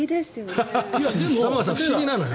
玉川さん、不思議なのよ。